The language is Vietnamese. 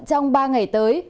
trong ba ngày tới